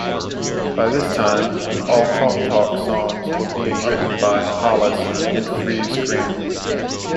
By this time, all Talk Talk songs were being written by Hollis and Friese-Greene.